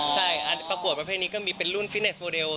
ใช่ประกวดประเภทนี้ก็มีเป็นรุ่นฟิเนสโมเดล